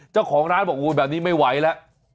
เจ้าของร้านบอกโอ้ยแบบนี้ไม่ไหวแล้ว